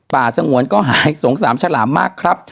สงวนก็หายสงสามฉลามมากครับ